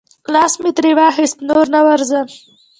لاس مې ترې واخیست، نور نه ورځم.